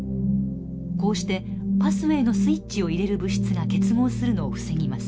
こうしてパスウェーのスイッチを入れる物質が結合するのを防ぎます。